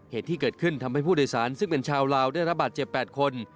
เหตุที่เกิดขึ้นทำให้ผู้โดยสารซึ่งเป็นชาวลาวได้รับบาดเจ็บ๘คน